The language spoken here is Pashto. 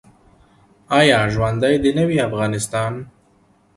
آیا ژوندی دې نه وي افغانستان؟